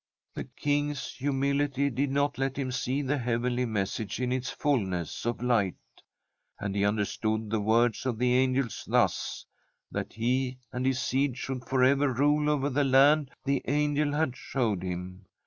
The King's humility did not let him see the heavenly message in its fulness of light, and he understood the words of the angel thus— that he and his seed should forever rule over the land the angel had shown him.